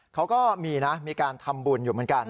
เขาก็มีนะมีการทำบุญอยู่เหมือนกัน